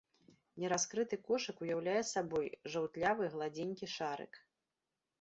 Нераскрыты кошык уяўляе сабой жаўтлявы, гладзенькі шарык.